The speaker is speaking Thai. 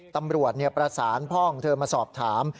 ตำรวจประสานพ่อของเธอมาสอบถาม